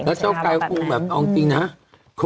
เก้าใกล้คุณแบบเอาจริงนะ